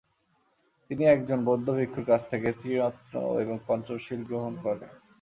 তিনি একজন বৌদ্ধ ভিক্ষুর কাছ থেকে ত্রিরত্ন এবং পঞ্চশীল গ্রহণ করেন।